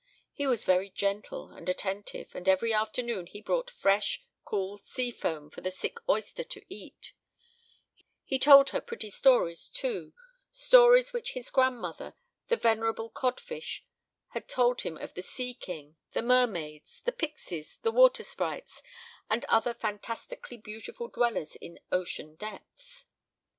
He was very gentle and attentive, and every afternoon he brought fresh, cool sea foam for the sick oyster to eat; he told her pretty stories, too, stories which his grandmother, the venerable codfish, had told him of the sea king, the mermaids, the pixies, the water sprites, and the other fantastically beautiful dwellers in ocean depths.